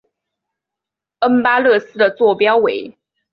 恩巴勒斯的座标为。